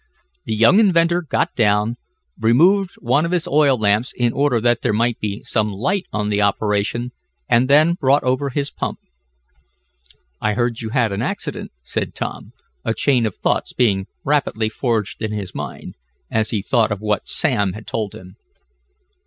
The young inventor got down, removed one of his oil lamps in order that there might be some light on the operation, and then brought over his pump. "I heard you had an accident," said Tom, a chain of thoughts being rapidly forged in his mind, as he thought of what Sam had told him.